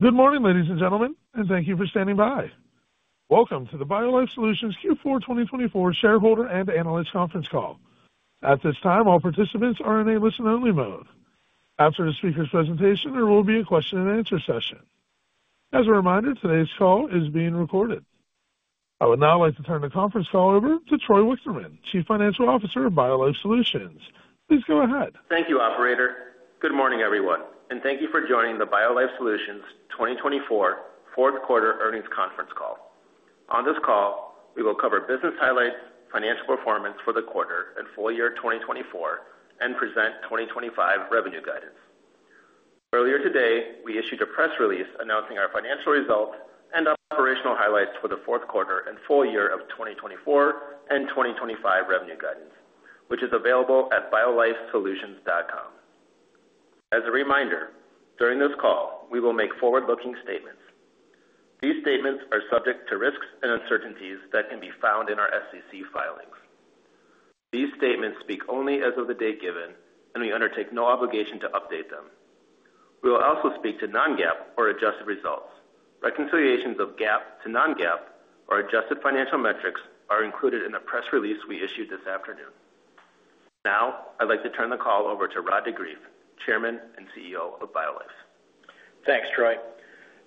Good morning, ladies and gentlemen, and thank you for standing by. Welcome to the BioLife Solutions Q4 2024 Shareholder and Analyst Conference Call. At this time, all participants are in a listen-only mode. After the speaker's presentation, there will be a question-and-answer session. As a reminder, today's call is being recorded. I would now like to turn the conference call over to Troy Wichterman, Chief Financial Officer of BioLife Solutions. Please go ahead. Thank you, Operator. Good morning, everyone, and thank you for joining the BioLife Solutions 2024 Fourth Quarter Earnings Conference Call. On this call, we will cover business highlights, financial performance for the quarter and full year 2024, and present 2025 revenue guidance. Earlier today, we issued a press release announcing our financial results and operational highlights for the fourth quarter and full year of 2024 and 2025 revenue guidance, which is available at biolifesolutions.com. As a reminder, during this call, we will make forward-looking statements. These statements are subject to risks and uncertainties that can be found in our SEC filings. These statements speak only as of the date given, and we undertake no obligation to update them. We will also speak to non-GAAP or adjusted results. Reconciliations of GAAP to non-GAAP or adjusted financial metrics are included in the press release we issued this afternoon. Now, I'd like to turn the call over to Rod de Greef, Chairman and CEO of BioLife Solutions. Thanks, Troy.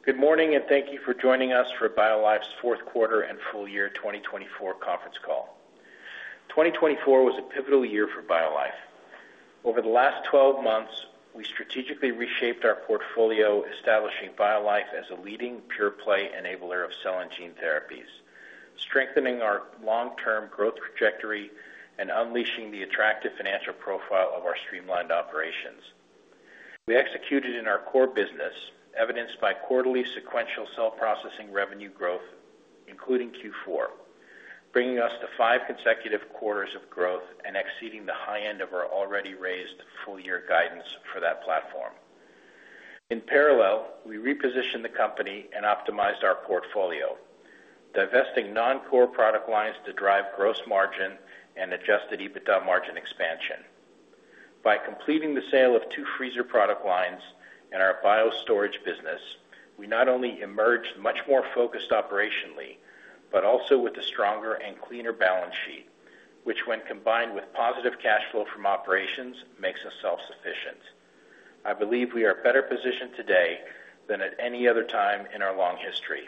Good morning, and thank you for joining us for BioLife's Fourth Quarter and Full Year 2024 Conference Call. 2024 was a pivotal year for BioLife. Over the last 12 months, we strategically reshaped our portfolio, establishing BioLife as a leading pure-play enabler of cell and gene therapies, strengthening our long-term growth trajectory, and unleashing the attractive financial profile of our streamlined operations. We executed in our core business, evidenced by quarterly sequential cell processing revenue growth, including Q4, bringing us to five consecutive quarters of growth and exceeding the high end of our already raised full-year guidance for that platform. In parallel, we repositioned the company and optimized our portfolio, divesting non-core product lines to drive gross margin and adjusted EBITDA margin expansion. By completing the sale of two freezer product lines and our bio storage business, we not only emerged much more focused operationally, but also with a stronger and cleaner balance sheet, which, when combined with positive cash flow from operations, makes us self-sufficient. I believe we are better positioned today than at any other time in our long history.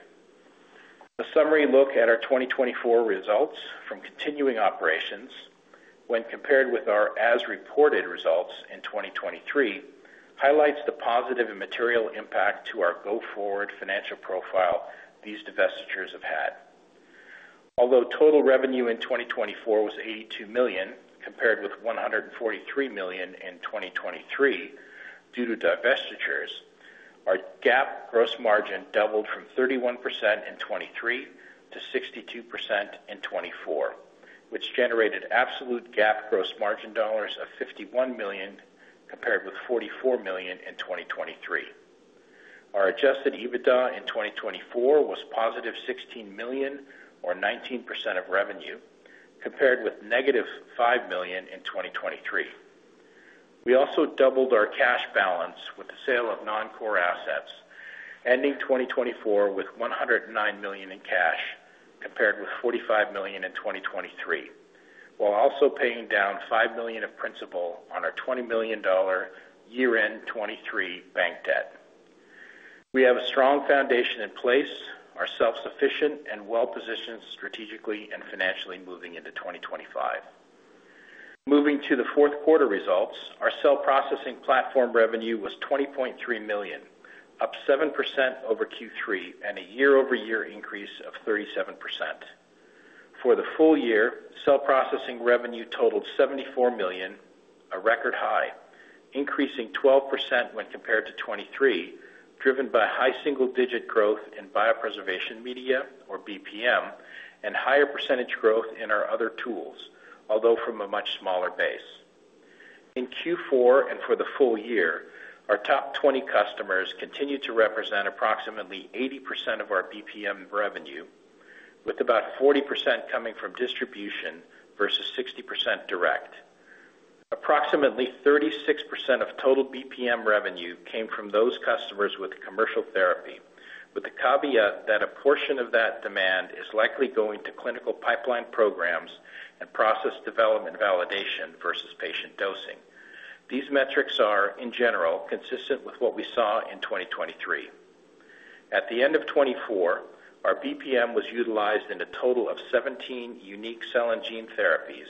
A summary look at our 2024 results from continuing operations, when compared with our as-reported results in 2023, highlights the positive and material impact to our go-forward financial profile these divestitures have had. Although total revenue in 2024 was $82 million compared with $143 million in 2023 due to divestitures, our GAAP gross margin doubled from 31% in 2023 to 62% in 2024, which generated absolute GAAP gross margin dollars of $51 million compared with $44 million in 2023. Our adjusted EBITDA in 2024 was positive $16 million, or 19% of revenue, compared with negative $5 million in 2023. We also doubled our cash balance with the sale of non-core assets, ending 2024 with $109 million in cash compared with $45 million in 2023, while also paying down $5 million of principal on our $20 million year-end 2023 bank debt. We have a strong foundation in place, are self-sufficient, and well-positioned strategically and financially moving into 2025. Moving to the fourth quarter results, our cell processing platform revenue was $20.3 million, up 7% over Q3 and a year-over-year increase of 37%. For the full year, cell processing revenue totaled $74 million, a record high, increasing 12% when compared to 2023, driven by high single-digit growth in Biopreservation Media, or BPM, and higher percentage growth in our other tools, although from a much smaller base. In Q4 and for the full year, our top 20 customers continue to represent approximately 80% of our BPM revenue, with about 40% coming from distribution versus 60% direct. Approximately 36% of total BPM revenue came from those customers with commercial therapy, with the caveat that a portion of that demand is likely going to clinical pipeline programs and process development validation versus patient dosing. These metrics are, in general, consistent with what we SAW in 2023. At the end of 2024, our BPM was utilized in a total of 17 unique cell and gene therapies,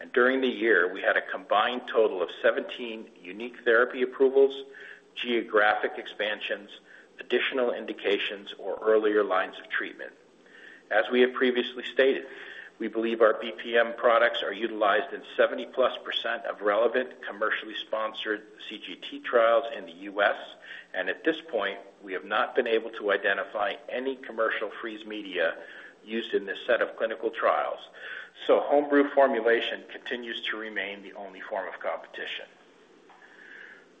and during the year, we had a combined total of 17 unique therapy approvals, geographic expansions, additional indications, or earlier lines of treatment. As we have previously stated, we believe our BPM products are utilized in 70-plus % of relevant commercially sponsored CGT trials in the U.S., and at this point, we have not been able to identify any commercial freeze media used in this set of clinical trials, so home-brew formulation continues to remain the only form of competition.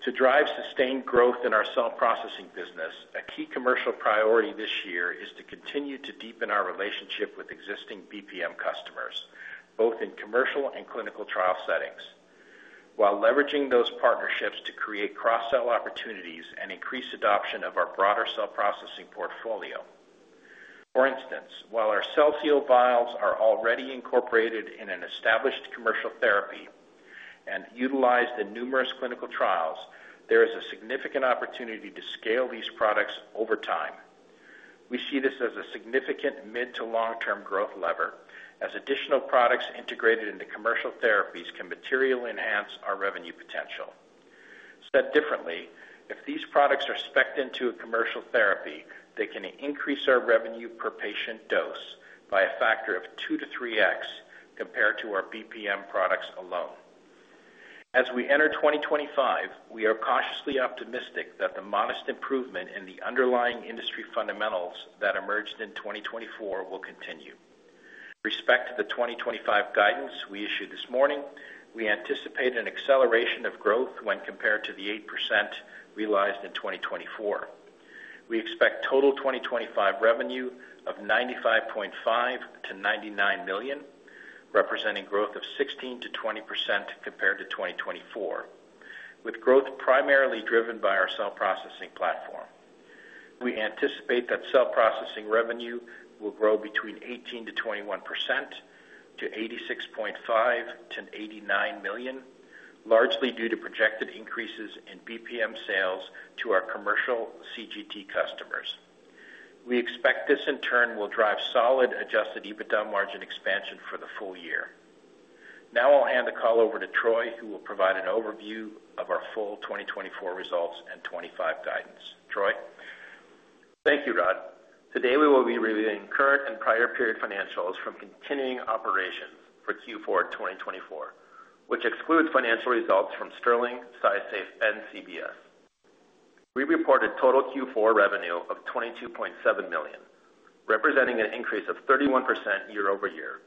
To drive sustained growth in our cell processing business, a key commercial priority this year is to continue to deepen our relationship with existing BPM customers, both in commercial and clinical trial settings, while leveraging those partnerships to create cross-sell opportunities and increase adoption of our broader cell processing portfolio. For instance, while our cell seal vials are already incorporated in an established commercial therapy and utilized in numerous clinical trials, there is a significant opportunity to scale these products over time. We see this as a significant mid-to-long-term growth lever, as additional products integrated into commercial therapies can materially enhance our revenue potential. Said differently, if these products are specced into a commercial therapy, they can increase our revenue per patient dose by a factor of 2-3x compared to our BPM products alone. As we enter 2025, we are cautiously optimistic that the modest improvement in the underlying industry fundamentals that emerged in 2024 will continue. Respect to the 2025 guidance we issued this morning, we anticipate an acceleration of growth when compared to the 8% realized in 2024. We expect total 2025 revenue of $95.5-$99 million, representing growth of 16%-20% compared to 2024, with growth primarily driven by our cell processing platform. We anticipate that cell processing revenue will grow between 18%-21% to $86.5-$89 million, largely due to projected increases in BPM sales to our commercial CGT customers. We expect this, in turn, will drive solid adjusted EBITDA margin expansion for the full year. Now I'll hand the call over to Troy, who will provide an overview of our full 2024 results and 2025 guidance. Troy? Thank you, Rod. Today, we will be reviewing current and prior-period financials from continuing operations for Q4 2024, which excludes financial results from Stirling, SciSafe, and CBS. We reported total Q4 revenue of $22.7 million, representing an increase of 31% year-over-year.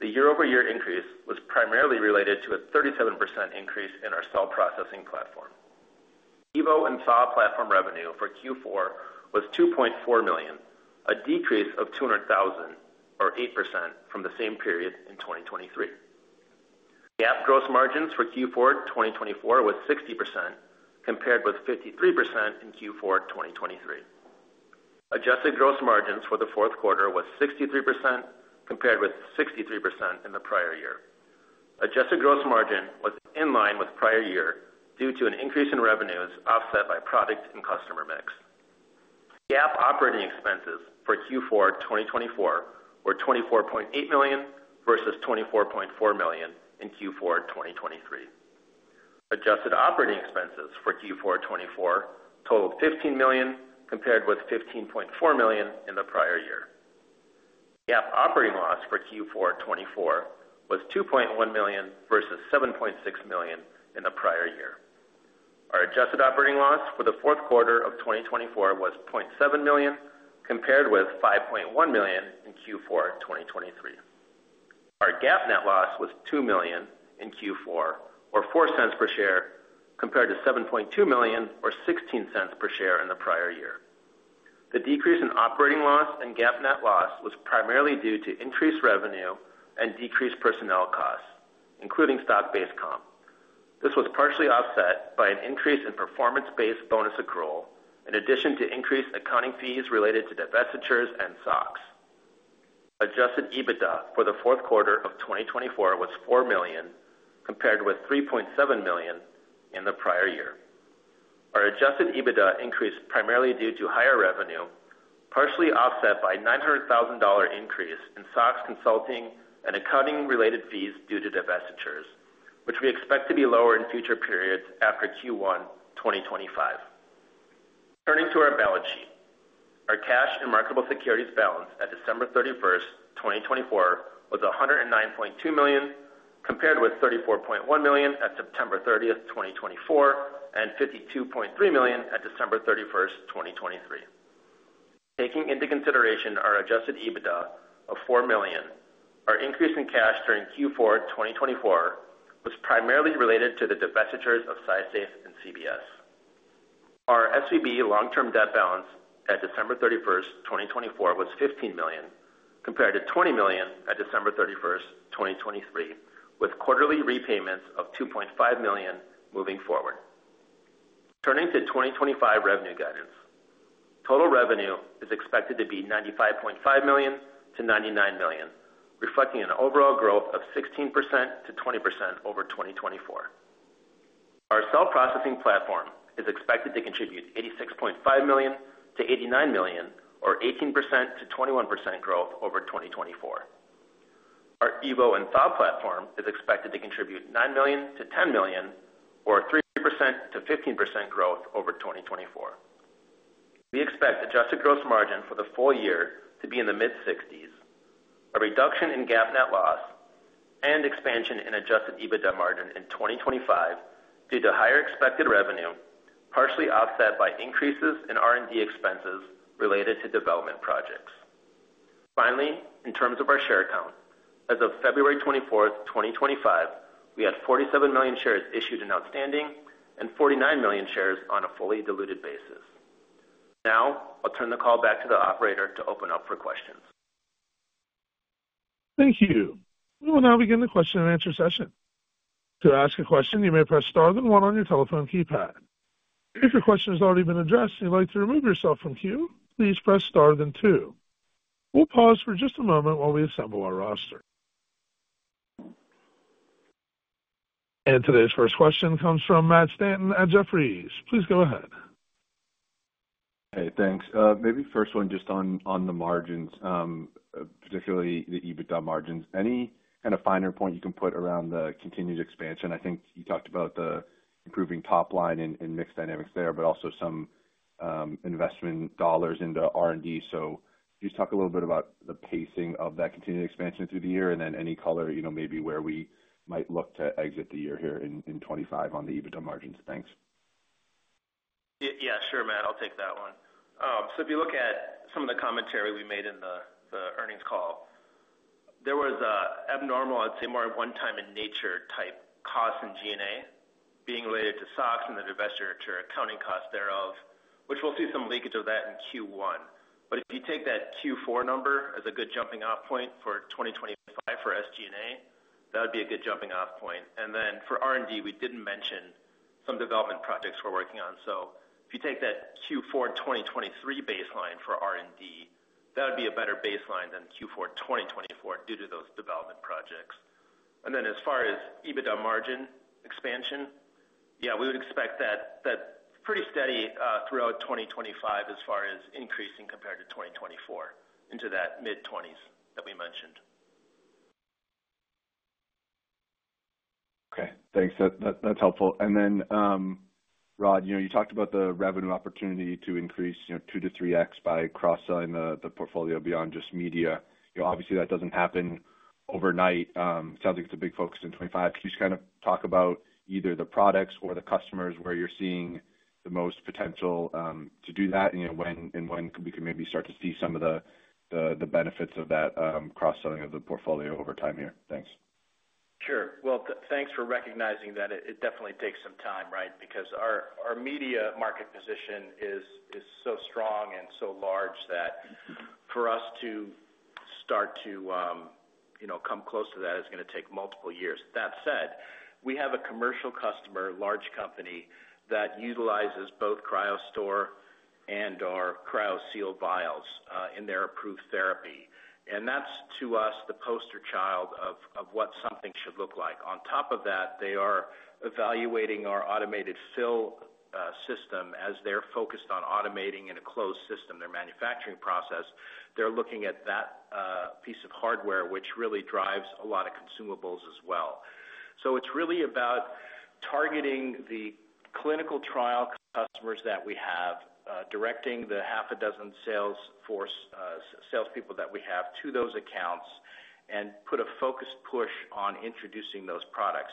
The year-over-year increase was primarily related to a 37% increase in our cell processing platform. EVO and SAW platform revenue for Q4 was $2.4 million, a decrease of $200,000, or 8% from the same period in 2023. GAAP gross margins for Q4 2024 was 60%, compared with 53% in Q4 2023. Adjusted gross margins for the fourth quarter was 63%, compared with 63% in the prior year. Adjusted gross margin was in line with prior year due to an increase in revenues offset by product and customer mix. GAAP operating expenses for Q4 2024 were $24.8 million versus $24.4 million in Q4 2023. Adjusted operating expenses for Q4 2024 totaled $15 million, compared with $15.4 million in the prior year. GAAP operating loss for Q4 2024 was $2.1 million versus $7.6 million in the prior year. Our adjusted operating loss for the fourth quarter of 2024 was $0.7 million, compared with $5.1 million in Q4 2023. Our GAAP net loss was $2 million in Q4, or $0.04 per share, compared to $7.2 million, or $0.16 per share in the prior year. The decrease in operating loss and GAAP net loss was primarily due to increased revenue and decreased personnel costs, including stock-based comp. This was partially offset by an increase in performance-based bonus accrual, in addition to increased accounting fees related to divestitures and SOCs. Adjusted EBITDA for the fourth quarter of 2024 was $4 million, compared with $3.7 million in the prior year. Our adjusted EBITDA increased primarily due to higher revenue, partially offset by a $900,000 increase in SOCs consulting and accounting-related fees due to divestitures, which we expect to be lower in future periods after Q1 2025. Turning to our balance sheet, our cash and marketable securities balance at December 31st, 2024, was $109.2 million, compared with $34.1 million at September 30th, 2024, and $52.3 million at December 31st, 2023. Taking into consideration our adjusted EBITDA of $4 million, our increase in cash during Q4 2024 was primarily related to the divestitures of SciSafe and CBS. Our SVB long-term debt balance at December 31st, 2024, was $15 million, compared to $20 million at December 31st, 2023, with quarterly repayments of $2.5 million moving forward. Turning to 2025 revenue guidance, total revenue is expected to be $95.5 million-$99 million, reflecting an overall growth of 16%-20% over 2024. Our cell processing platform is expected to contribute $86.5 million-$89 million, or 18%-21% growth over 2024. Our EVO and SAW platform is expected to contribute $9 million-$10 million, or 3%-15% growth over 2024. We expect adjusted gross margin for the full year to be in the mid-60s, a reduction in GAAP net loss, and expansion in adjusted EBITDA margin in 2025 due to higher expected revenue, partially offset by increases in R&D expenses related to development projects. Finally, in terms of our share count, as of February 24th, 2025, we had 47 million shares issued and outstanding and 49 million shares on a fully diluted basis. Now I'll turn the call back to the operator to open up for questions. Thank you. We will now begin the question and answer session. To ask a question, you may press star then one on your telephone keypad. If your question has already been addressed and you'd like to remove yourself from queue, please press star then two. We'll pause for just a moment while we assemble our roster. Today's first question comes from Matt Stanton at Jefferies. Please go ahead. Hey, thanks. Maybe first one just on the margins, particularly the EBITDA margins. Any kind of finer point you can put around the continued expansion? I think you talked about the improving top line and mixed dynamics there, but also some investment dollars into R&D. Could you just talk a little bit about the pacing of that continued expansion through the year and then any color, you know, maybe where we might look to exit the year here in 2025 on the EBITDA margins? Thanks. Yeah, sure, Matt. I'll take that one. If you look at some of the commentary we made in the earnings call, there was abnormal, I'd say more one-time-in-nature type costs in G&A being related to SOCs and the divestiture accounting costs thereof, which we'll see some leakage of that in Q1. If you take that Q4 number as a good jumping-off point for 2025 for SG&A, that would be a good jumping-off point. For R&D, we did mention some development projects we're working on. If you take that Q4 2023 baseline for R&D, that would be a better baseline than Q4 2024 due to those development projects. As far as EBITDA margin expansion, yeah, we would expect that pretty steady throughout 2025 as far as increasing compared to 2024 into that mid-20s that we mentioned. Okay. Thanks. That's helpful. Rod, you talked about the revenue opportunity to increase 2-3x by cross-selling the portfolio beyond just media. Obviously, that does not happen overnight. It sounds like it is a big focus in 2025. Could you just kind of talk about either the products or the customers where you are seeing the most potential to do that and when we can maybe start to see some of the benefits of that cross-selling of the portfolio over time here? Thanks. Sure. Thanks for recognizing that it definitely takes some time, right, because our media market position is so strong and so large that for us to start to come close to that is going to take multiple years. That said, we have a commercial customer, large company, that utilizes both CryoStor and our CryoSeal vials in their approved therapy. That is, to us, the poster child of what something should look like. On top of that, they are evaluating our automated fill system as they are focused on automating in a closed system, their manufacturing process. They are looking at that piece of hardware, which really drives a lot of consumables as well. It is really about targeting the clinical trial customers that we have, directing the half a dozen salespeople that we have to those accounts and putting a focused push on introducing those products.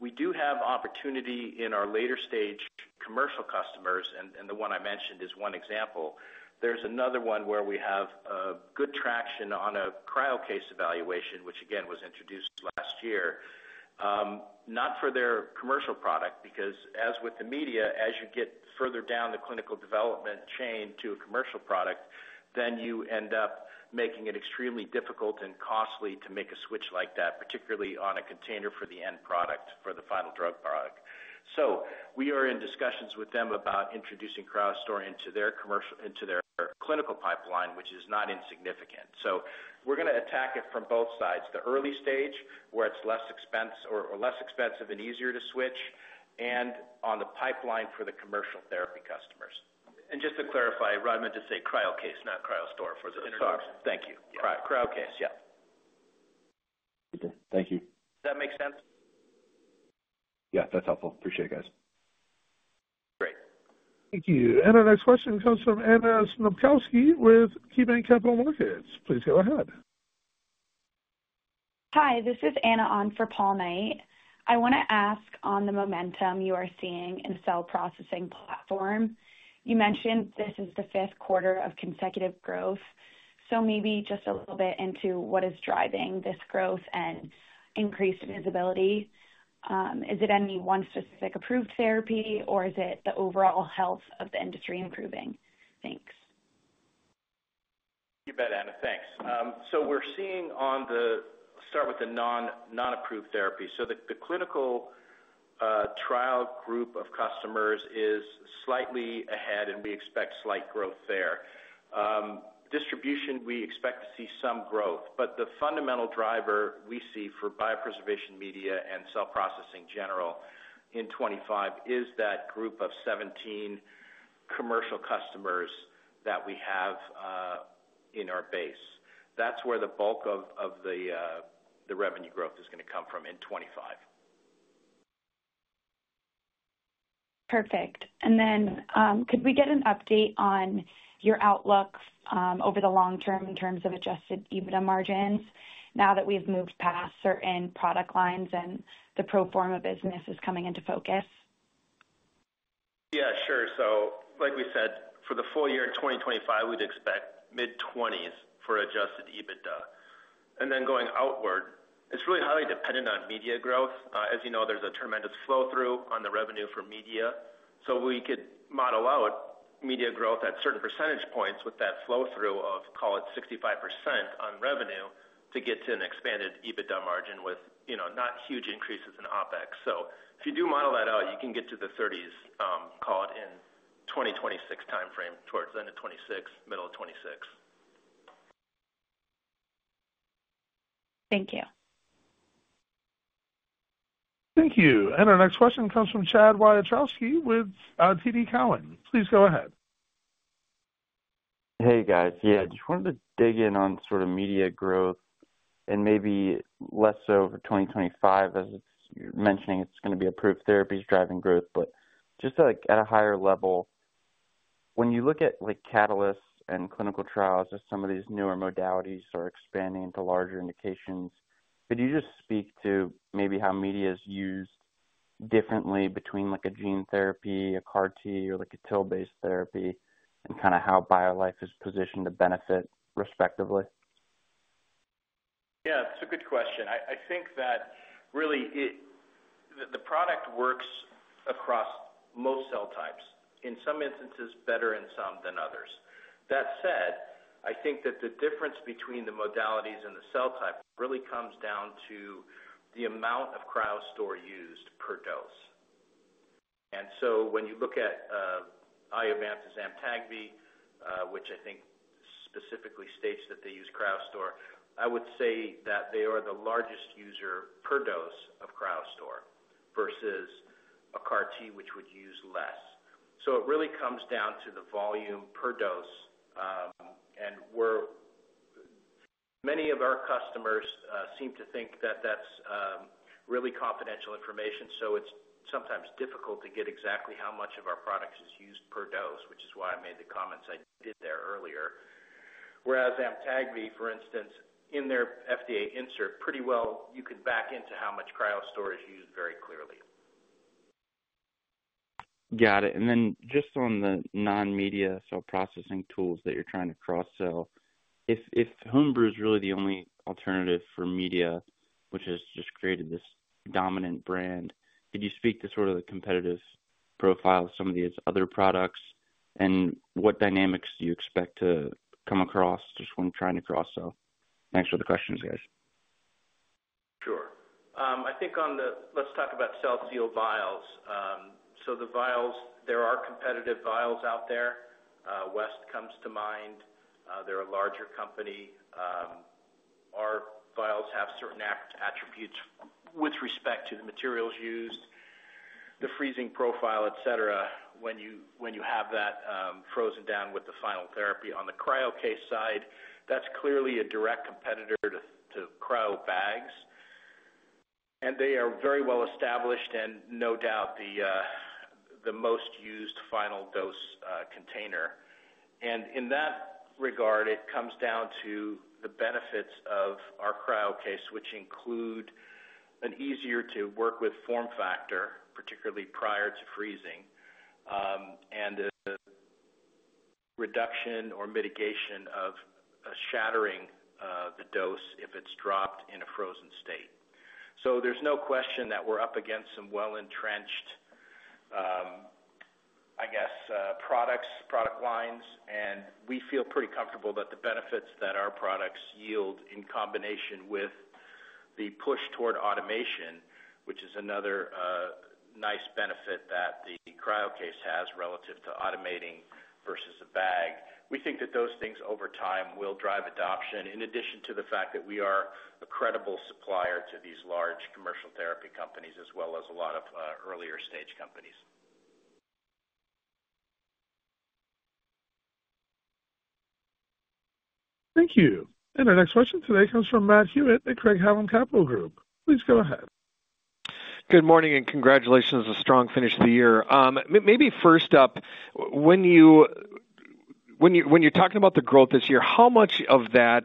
We do have opportunity in our later-stage commercial customers, and the one I mentioned is one example. There's another one where we have good traction on a CryoCase evaluation, which, again, was introduced last year, not for their commercial product because, as with the media, as you get further down the clinical development chain to a commercial product, then you end up making it extremely difficult and costly to make a switch like that, particularly on a container for the end product for the final drug product. We are in discussions with them about introducing CryoStor into their clinical pipeline, which is not insignificant. We are going to attack it from both sides, the early stage where it's less expensive and easier to switch, and on the pipeline for the commercial therapy customers. Just to clarify, Rod meant to say CryoCase, not CryoStor for the SOCs. Thank you. CryoCase, yeah. Okay. Thank you. Does that make sense? Yeah, that's helpful. Appreciate it, guys. Great. Thank you. Our next question comes from Anna Snopkowski with KeyBanc Capital Markets. Please go ahead. Hi, this is Anna on for Paul Knight. I want to ask on the momentum you are seeing in the cell processing platform. You mentioned this is the fifth quarter of consecutive growth, so maybe just a little bit into what is driving this growth and increased visibility. Is it any one specific approved therapy, or is it the overall health of the industry improving? Thanks. You bet, Anna. Thanks. We're seeing on the start with the non-approved therapy. The clinical trial group of customers is slightly ahead, and we expect slight growth there. Distribution, we expect to see some growth, but the fundamental driver we see for biopreservation media and cell processing general in 2025 is that group of 17 commercial customers that we have in our base. That's where the bulk of the revenue growth is going to come from in 2025. Perfect. Could we get an update on your outlook over the long term in terms of adjusted EBITDA margins now that we've moved past certain product lines and the pro forma business is coming into focus? Yeah, sure. Like we said, for the full year in 2025, we'd expect mid-20s for adjusted EBITDA. Going outward, it's really highly dependent on media growth. As you know, there's a tremendous flow-through on the revenue for media. We could model out media growth at certain percentage points with that flow-through of, call it, 65% on revenue to get to an expanded EBITDA margin with not huge increases in OpEx. If you do model that out, you can get to the 30s, call it, in 2026 timeframe, towards the end of 2026, middle of 2026. Thank you. Thank you. Our next question comes from Chad Wiatrowski with TD Cowen. Please go ahead. Hey, guys. Yeah, just wanted to dig in on sort of media growth and maybe less so for 2025, as you're mentioning, it's going to be approved therapies driving growth. Just at a higher level, when you look at catalysts and clinical trials as some of these newer modalities are expanding into larger indications, could you just speak to maybe how media is used differently between a gene therapy, a CAR-T, or a TIL-based therapy, and kind of how BioLife is positioned to benefit respectively? Yeah, that's a good question. I think that really the product works across most cell types, in some instances better in some than others. That said, I think that the difference between the modalities and the cell type really comes down to the amount of CryoStor used per dose. When you look at Iovance's AMTAGVI, which I think specifically states that they use CryoStor, I would say that they are the largest user per dose of CryoStor versus a CAR-T, which would use less. It really comes down to the volume per dose. Many of our customers seem to think that that's really confidential information, so it's sometimes difficult to get exactly how much of our products is used per dose, which is why I made the comments I did there earlier. Whereas AMTAGVI, for instance, in their FDA insert, pretty well you can back into how much CryoStor is used very clearly. Got it. Just on the non-media cell processing tools that you're trying to cross-sell, if home-brew is really the only alternative for media, which has just created this dominant brand, could you speak to sort of the competitive profile of some of these other products? What dynamics do you expect to come across just when trying to cross-sell? Thanks for the questions, guys. Sure. I think on the let's talk about cell seal vials. So the vials, there are competitive vials out there. West comes to mind. They're a larger company. Our vials have certain attributes with respect to the materials used, the freezing profile, etc., when you have that frozen down with the final therapy. On the CryoCase side, that's clearly a direct competitor to cryobags, and they are very well established and no doubt the most used final dose container. In that regard, it comes down to the benefits of our CryoCase, which include an easier-to-work-with form factor, particularly prior to freezing, and the reduction or mitigation of shattering the dose if it's dropped in a frozen state. There is no question that we are up against some well-entrenched, I guess, product lines, and we feel pretty comfortable that the benefits that our products yield in combination with the push toward automation, which is another nice benefit that the CryoCase has relative to automating versus a bag, we think that those things over time will drive adoption in addition to the fact that we are a credible supplier to these large commercial therapy companies as well as a lot of earlier-stage companies. Thank you. Our next question today comes from Matt Hewitt at Craig-Hallum Capital Group. Please go ahead. Good morning and congratulations on a strong finish of the year. Maybe first up, when you're talking about the growth this year, how much of that,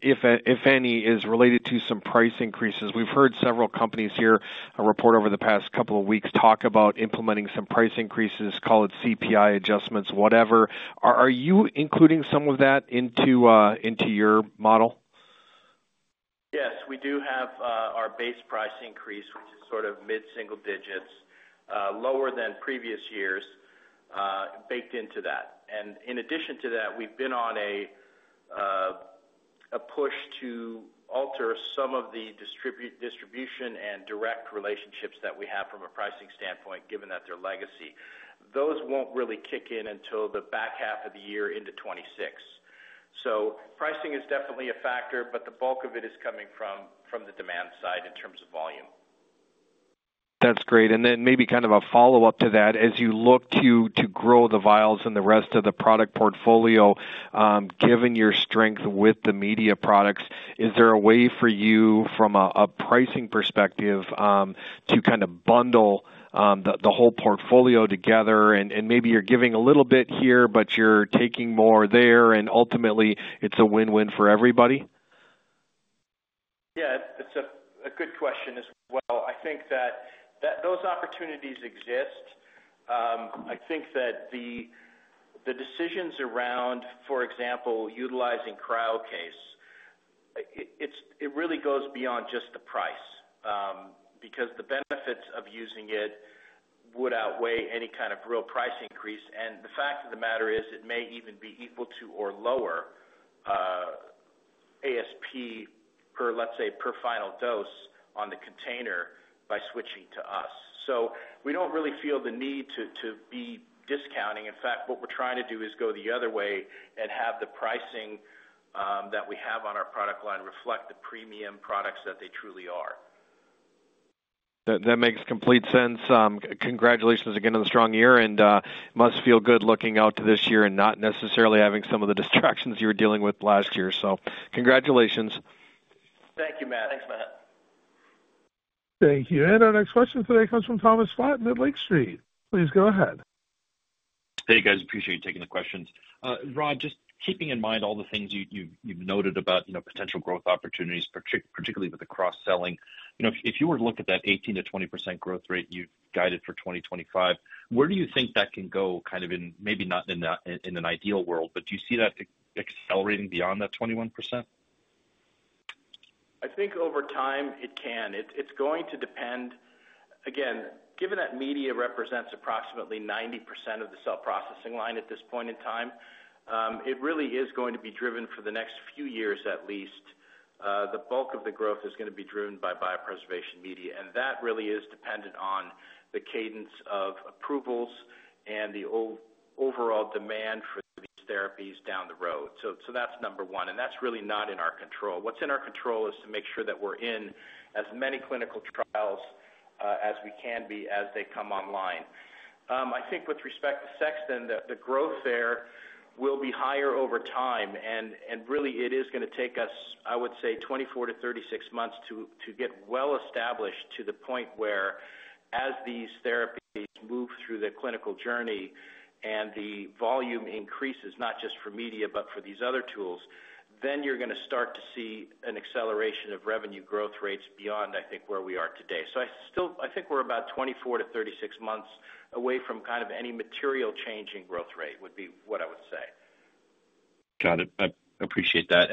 if any, is related to some price increases? We've heard several companies here report over the past couple of weeks talk about implementing some price increases, call it CPI adjustments, whatever. Are you including some of that into your model? Yes, we do have our base price increase, which is sort of mid-single digits, lower than previous years, baked into that. In addition to that, we've been on a push to alter some of the distribution and direct relationships that we have from a pricing standpoint, given that they're legacy. Those will not really kick in until the back half of the year into 2026. Pricing is definitely a factor, but the bulk of it is coming from the demand side in terms of volume. That's great. Maybe kind of a follow-up to that, as you look to grow the vials and the rest of the product portfolio, given your strength with the media products, is there a way for you from a pricing perspective to kind of bundle the whole portfolio together? Maybe you're giving a little bit here, but you're taking more there, and ultimately, it's a win-win for everybody? Yeah, it's a good question as well. I think that those opportunities exist. I think that the decisions around, for example, utilizing CryoCase, it really goes beyond just the price because the benefits of using it would outweigh any kind of real price increase. The fact of the matter is it may even be equal to or lower ASP per, let's say, per final dose on the container by switching to us. We don't really feel the need to be discounting. In fact, what we're trying to do is go the other way and have the pricing that we have on our product line reflect the premium products that they truly are. That makes complete sense. Congratulations again on the strong year, and it must feel good looking out to this year and not necessarily having some of the distractions you were dealing with last year. Congratulations. Thank you, Matt. Thanks, Matt. Thank you. Our next question today comes from Thomas Flaten at Lake Street. Please go ahead. Hey, guys. Appreciate you taking the questions. Rod, just keeping in mind all the things you've noted about potential growth opportunities, particularly with the cross-selling, if you were to look at that 18%-20% growth rate you guided for 2025, where do you think that can go kind of in maybe not in an ideal world, but do you see that accelerating beyond that 21%? I think over time it can. It's going to depend. Again, given that media represents approximately 90% of the cell processing line at this point in time, it really is going to be driven for the next few years at least. The bulk of the growth is going to be driven by biopreservation media, and that really is dependent on the cadence of approvals and the overall demand for these therapies down the road. That's number one, and that's really not in our control. What's in our control is to make sure that we're in as many clinical trials as we can be as they come online. I think with respect to Sexton, the growth there will be higher over time. It is going to take us, I would say, 24-36 months to get well established to the point where as these therapies move through the clinical journey and the volume increases, not just for media, but for these other tools, you are going to start to see an acceleration of revenue growth rates beyond, I think, where we are today. I think we are about 24-36 months away from kind of any material change in growth rate would be what I would say. Got it. I appreciate that.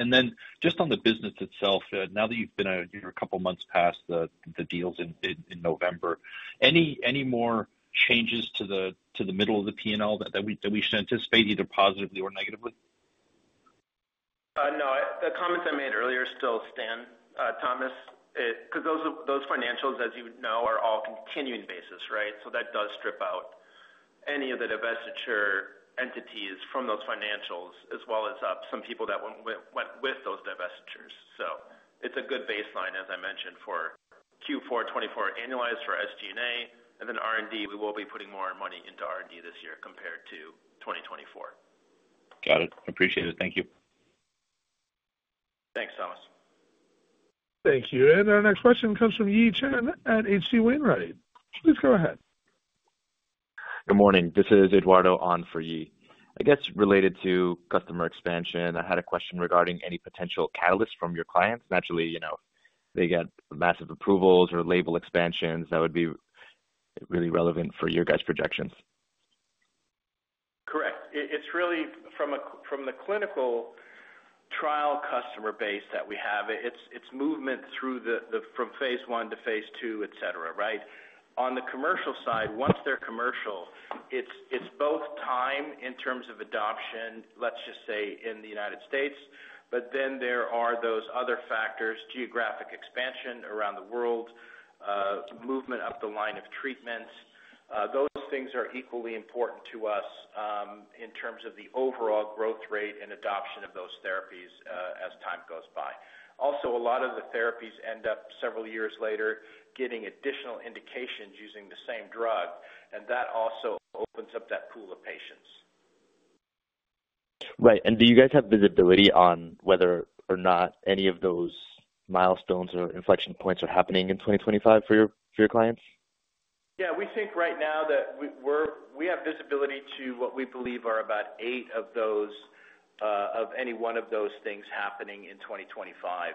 Just on the business itself, now that you've been a couple of months past the deals in November, any more changes to the middle of the P&L that we should anticipate either positively or negatively? No. The comments I made earlier still stand, Thomas, because those financials, as you know, are all continuing basis, right? That does strip out any of the divestiture entities from those financials as well as some people that went with those divestitures. It is a good baseline, as I mentioned, for Q4 2024 annualized for SG&A. R&D, we will be putting more money into R&D this year compared to 2024. Got it. Appreciate it. Thank you. Thanks, Thomas. Thank you. Our next question comes from Yi Chen at HC Wainwright. Please go ahead. Good morning. This is Eduardo on for Yi. I guess related to customer expansion, I had a question regarding any potential catalysts from your clients. Naturally, they get massive approvals or label expansions. That would be really relevant for your guys' projections. Correct. It's really from the clinical trial customer base that we have. It's movement through from phase one to phase two, etc., right? On the commercial side, once they're commercial, it's both time in terms of adoption, let's just say in the United States, but then there are those other factors, geographic expansion around the world, movement up the line of treatments. Those things are equally important to us in terms of the overall growth rate and adoption of those therapies as time goes by. Also, a lot of the therapies end up several years later getting additional indications using the same drug, and that also opens up that pool of patients. Right. Do you guys have visibility on whether or not any of those milestones or inflection points are happening in 2025 for your clients? Yeah. We think right now that we have visibility to what we believe are about eight of any one of those things happening in 2025.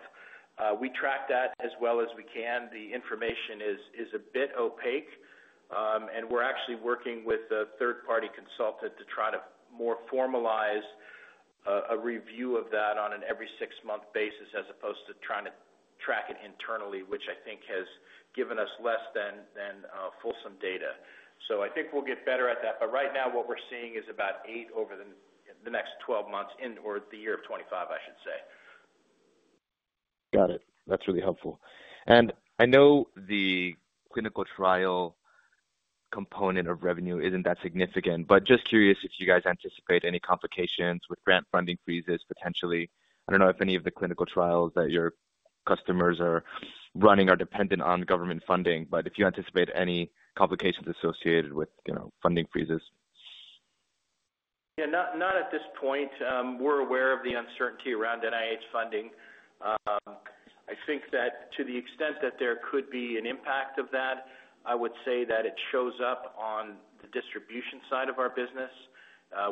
We track that as well as we can. The information is a bit opaque, and we're actually working with a third-party consultant to try to more formalize a review of that on an every six-month basis as opposed to trying to track it internally, which I think has given us less than fulsome data. I think we'll get better at that. Right now, what we're seeing is about eight over the next 12 months in or the year of 2025, I should say. Got it. That's really helpful. I know the clinical trial component of revenue isn't that significant, but just curious if you guys anticipate any complications with grant funding freezes potentially. I don't know if any of the clinical trials that your customers are running are dependent on government funding, but if you anticipate any complications associated with funding freezes. Yeah. Not at this point. We're aware of the uncertainty around NIH funding. I think that to the extent that there could be an impact of that, I would say that it shows up on the distribution side of our business.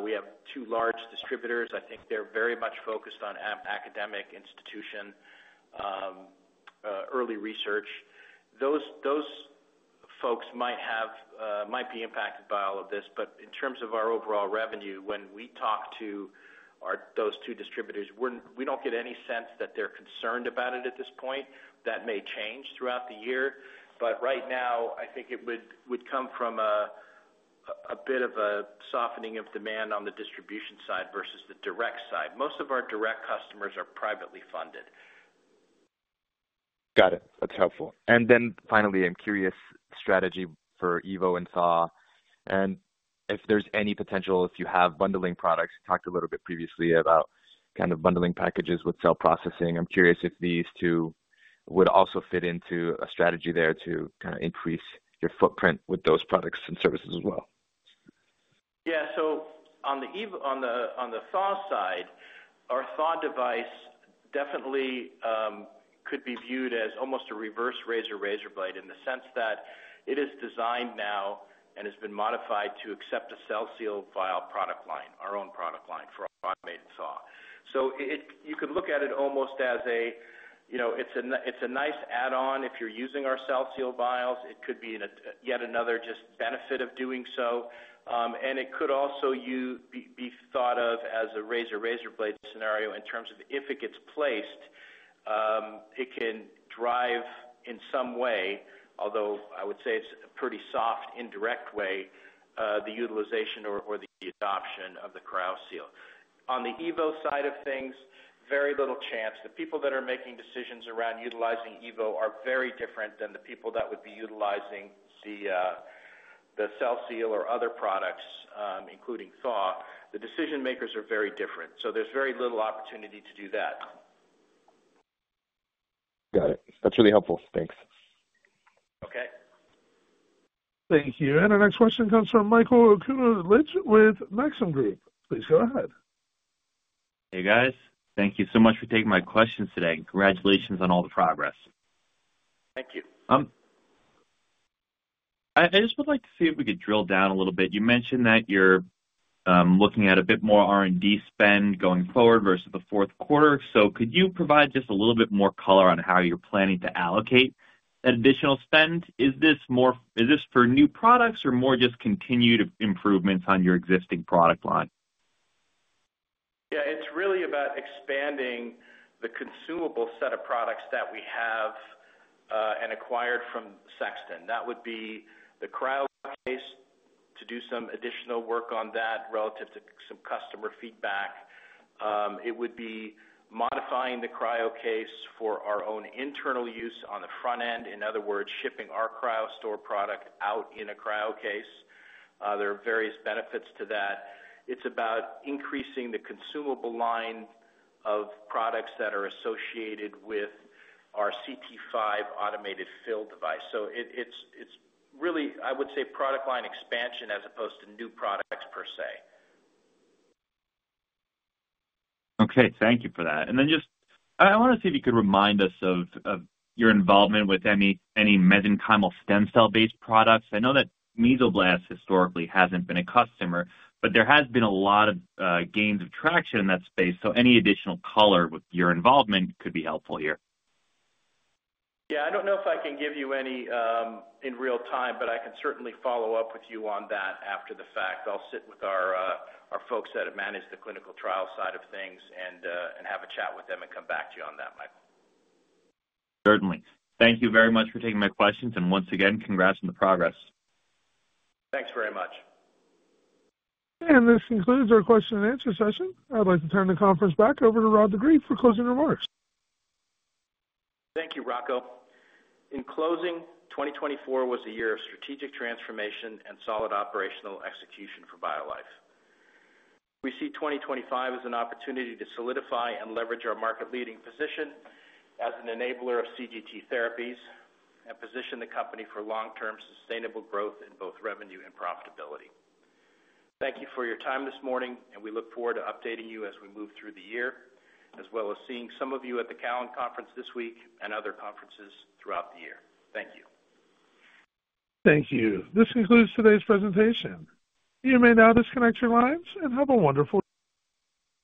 We have two large distributors. I think they're very much focused on academic institution, early research. Those folks might be impacted by all of this, but in terms of our overall revenue, when we talk to those two distributors, we don't get any sense that they're concerned about it at this point. That may change throughout the year, but right now, I think it would come from a bit of a softening of demand on the distribution side versus the direct side. Most of our direct customers are privately funded. Got it. That's helpful. Finally, I'm curious. Strategy for EVO and SAW. If there's any potential, if you have bundling products, you talked a little bit previously about kind of bundling packages with cell processing. I'm curious if these two would also fit into a strategy there to kind of increase your footprint with those products and services as well. Yeah. On the SAW side, our SAW device definitely could be viewed as almost a reverse razor razor blade in the sense that it is designed now and has been modified to accept a cell seal vial product line, our own product line for SAW. You could look at it almost as a it's a nice add-on if you're using our cell seal vials. It could be yet another just benefit of doing so. It could also be thought of as a razor razor blade scenario in terms of if it gets placed, it can drive in some way, although I would say it's a pretty soft indirect way, the utilization or the adoption of the CryoSeal. On the EVO side of things, very little chance. The people that are making decisions around utilizing EVO are very different than the people that would be utilizing the cell seal or other products, including SAW. The decision makers are very different. There is very little opportunity to do that. Got it. That's really helpful. Thanks. Okay. Thank you. Our next question comes from Michael Okunewitch with Maxim Group. Please go ahead. Hey, guys. Thank you so much for taking my questions today. Congratulations on all the progress. Thank you. I just would like to see if we could drill down a little bit. You mentioned that you're looking at a bit more R&D spend going forward versus the fourth quarter. Could you provide just a little bit more color on how you're planning to allocate that additional spend? Is this for new products or more just continued improvements on your existing product line? Yeah. It's really about expanding the consumable set of products that we have and acquired from Sexton. That would be the CryoCase to do some additional work on that relative to some customer feedback. It would be modifying the CryoCase for our own internal use on the front end. In other words, shipping our CryoStor product out in a CryoCase. There are various benefits to that. It's about increasing the consumable line of products that are associated with our CT-5 automated fill device. It's really, I would say, product line expansion as opposed to new products per se. Okay. Thank you for that. I want to see if you could remind us of your involvement with any mesenchymal stem cell-based products. I know that Mesoblast historically hasn't been a customer, but there has been a lot of gains of traction in that space. Any additional color with your involvement could be helpful here. Yeah. I don't know if I can give you any in real time, but I can certainly follow up with you on that after the fact. I'll sit with our folks that have managed the clinical trial side of things and have a chat with them and come back to you on that, Michael. Certainly. Thank you very much for taking my questions. Once again, congrats on the progress. Thanks very much. This concludes our question and answer session. I'd like to turn the conference back over to Rod de Greef for closing remarks. Thank you, Rocco. In closing, 2024 was a year of strategic transformation and solid operational execution for BioLife. We see 2025 as an opportunity to solidify and leverage our market-leading position as an enabler of CGT therapies and position the company for long-term sustainable growth in both revenue and profitability. Thank you for your time this morning, and we look forward to updating you as we move through the year, as well as seeing some of you at the Cowen Conference this week and other conferences throughout the year. Thank you. Thank you. This concludes today's presentation. You may now disconnect your lines and have a wonderful day.